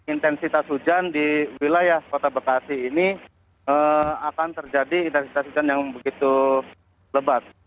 intensitas hujan di wilayah kota bekasi ini akan terjadi intensitas hujan yang begitu lebat